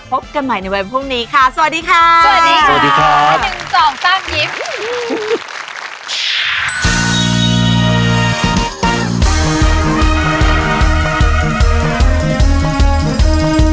พบกันใหม่ในวัยพรุ่งนี้ค่ะสวัสดีค่ะ